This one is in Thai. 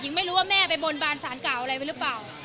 ไม่รู้ว่าแม่ไปบนบานสารเก่าอะไรไว้หรือเปล่า